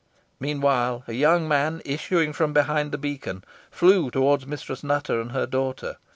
Meanwhile, a young man issuing from behind the beacon, flew towards Mistress Nutter and her daughter.